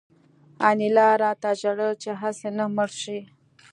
انیلا راته ژړل چې هسې نه مړ شې